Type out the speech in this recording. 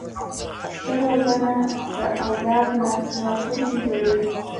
ښه روزنه د اولاد راتلونکی جوړوي.